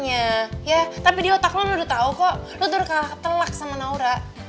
ya tapi di otak lo lo udah tau kok lo udah kalah telak sama naura